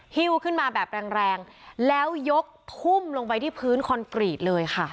ฮิ้วขึ้นมาแบบแรงแรงแล้วยกทุ่มลงไปที่พื้นคอนกรีตเลยค่ะ